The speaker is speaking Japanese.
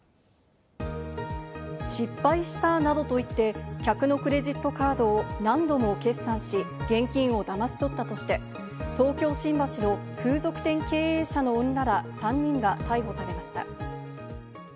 失敗したなどと言って、客のクレジットカードを何度も決済し、現金をだまし取ったとして東京・新橋の風俗店経営者の女ら３人が逮捕されました。